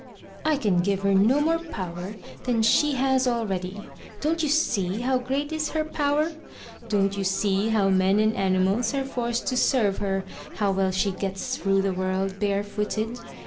" I can give her no more power than she has already. Don't you see how great is her power? Don't you see how men and animals are forced to serve her; how well she gets through the world, barefooted?